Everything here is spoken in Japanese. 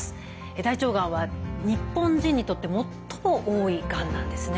大腸がんは日本人にとって最も多いがんなんですね。